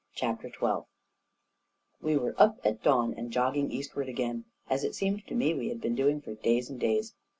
CHAPTER XII We were up at dawn and jogging eastward again ♦— as it seemed to me we had been doing for days and days.